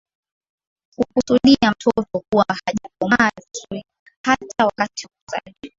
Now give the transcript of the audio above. kukusudia mtoto kuwa hajakomaa vizuri hata wakati wa kuzaliwa